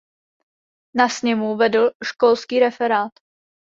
Na sněmu vedl školský referát.